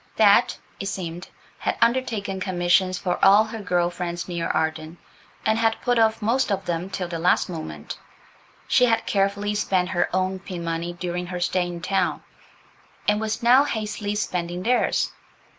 Bet, it seemed, had undertaken commissions for all her girl friends near Arden, and had put off most of them till the last moment; She had carefully spent her own pin money during her stay in town, and was now hastily spending theirs.